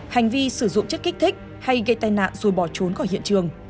hành vi sử dụng chất kích thích hay gây tai nạn rồi bỏ trốn khỏi hiện trường